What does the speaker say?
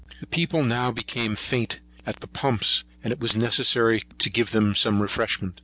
The people now became faint at the pumps, and it was necessary to give them some refreshment.